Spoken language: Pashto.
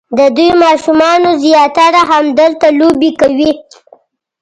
د دوی ماشومان زیاتره همدلته لوبې کوي.